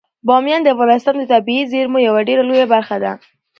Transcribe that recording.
بامیان د افغانستان د طبیعي زیرمو یوه ډیره لویه برخه ده.